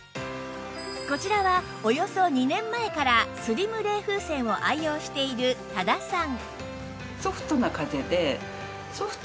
こちらはおよそ２年前からスリム冷風扇を愛用している多田さん